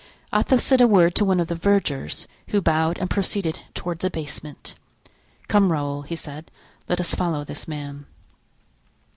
Athos said a word to one of the vergers, who bowed and proceeded toward the basement. "Come, Raoul," he said, "let us follow this man."